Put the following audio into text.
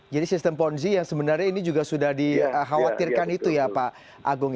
jadi sistem ponzi yang sebenarnya ini juga sudah dikhawatirkan itu ya pak agung